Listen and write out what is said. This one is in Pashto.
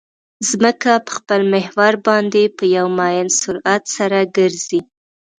ځمکه په خپل محور باندې په یو معین سرعت سره ګرځي